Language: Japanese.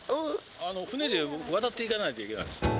船で渡っていかないと行けないんです。